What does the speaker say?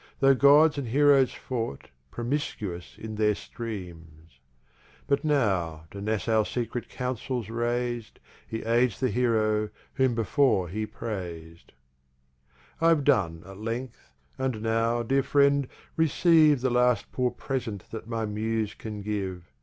Tho' Gods and Heroes fought, Promiscuous in they're streams. But now, to Nassau's secret Councils rais'd, He Aids the Heroe, whom before he Prais'd. I've done, at length, and now, Dear Friend, receive The last poor Present that my Muse can give.